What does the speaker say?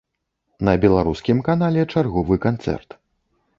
На беларускім канале чарговы канцэрт.